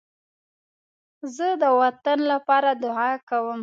زه د وطن لپاره دعا کوم